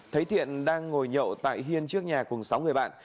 thấy thiện đang ngồi nhậu tại hiên trước nhà cùng sáu người bạn